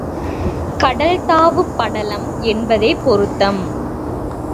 கடல் தாவு படலம் என்பதே பொருத்தம்.